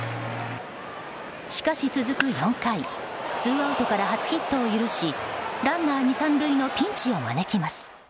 しかし、続く４回ツーアウトから初ヒットを許しランナー２、３塁のピンチを招きます。